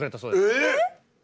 えっ！